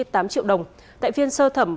bốn mươi tám triệu đồng tại phiên sơ thẩm